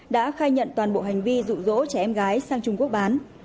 đã khai nhận toàn bộ hành vi rụ rỗ trẻ em gái sang trung quốc bán